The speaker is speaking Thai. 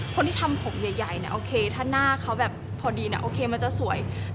คนที่ทำผมใหญ่เนี่ยโอเคถ้าหน้าเขาแบบพอดีเนี่ยโอเคมันจะสวย